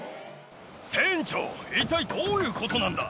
船長、一体どういうことなんだ。